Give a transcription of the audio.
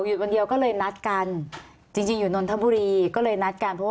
หยุดวันเดียวก็เลยนัดกันจริงอยู่นนทมพุรีก็เลยนัดกัน